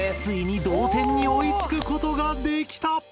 ついに同点に追いつくことができた！